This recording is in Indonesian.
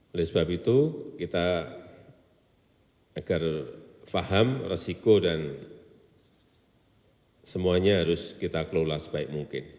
oleh sebab itu kita agar faham resiko dan semuanya harus kita kelola sebaik mungkin